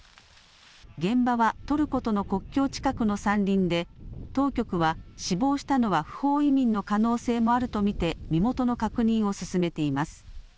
現場はトルコとの国境近くの山林で当局は死亡したのは不法移民の可能性もあると見て身元の確認を進めています。